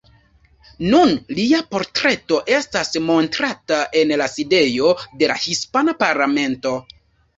Nun lia portreto estas montrata en la sidejo de la hispana parlamento.